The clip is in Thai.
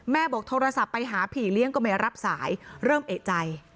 บอกโทรศัพท์ไปหาผีเลี้ยงก็ไม่รับสายเริ่มเอกใจ